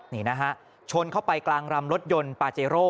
นี่นะฮะชนเข้าไปกลางรำรถยนต์ปาเจโร่